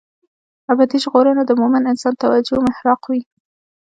ابدي ژغورنه د مومن انسان توجه محراق وي.